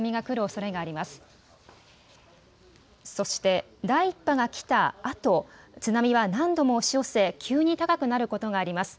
そして第１波が来たあと津波は何度も押し寄せ急に高くなることがあります。